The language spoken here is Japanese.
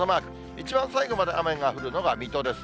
一番最後まで雨が降るのが水戸です。